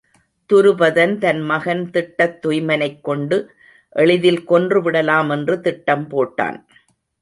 துருபதன் தன் மகன் திட்டத்துய்மனைக் கொண்டு எளிதில் கொன்று விடலாம் என்று திட்டம் போட்டான்.